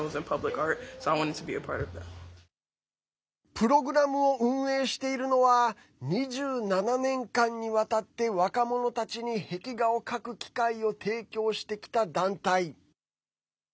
プログラムを運営しているのは２７年間にわたって若者たちに壁画を描く機会を提供してきた団体。